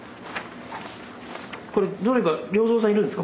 これどれが良三さんいるんですか？